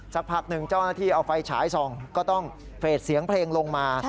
สักพักหนึ่งเจ้าหน้าที่เอาไฟฉายส่องก็ต้องเฟสเสียงเพลงลงมา